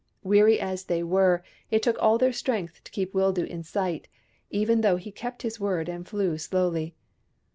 Weary as they were, it took all their strength to keep Wildoo in sight, even though he kept his word and flew slowly.